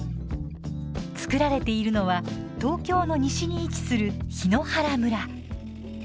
作られているのは東京の西に位置する檜原村。